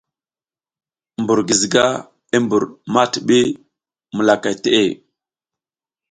Mbur giziga i mbur ma tiɓi mukak te.